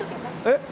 えっ？